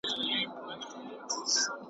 بس هلک مي له بدیو توبه ګار کړ .